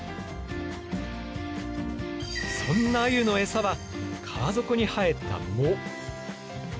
そんなアユのエサは川底に生えた藻。